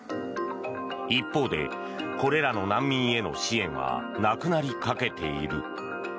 一方で、これらの難民への支援はなくなりかけている。